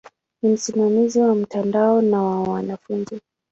Ni msimamizi wa mtandao na wa wanafunzi.